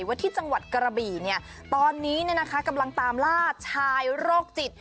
ว่าที่จังหวัดกรบีตอนนี้เนี่ยนะคะกำลังตามหลาดชายโรคจิต